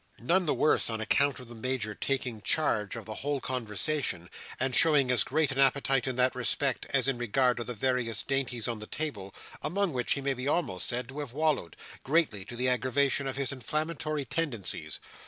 None the worse on account of the Major taking charge of the whole conversation, and showing as great an appetite in that respect as in regard of the various dainties on the table, among which he may be almost said to have wallowed: greatly to the aggravation of his inflammatory tendencies.